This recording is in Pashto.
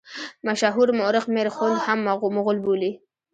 مشهور مورخ میرخوند هم مغول بولي.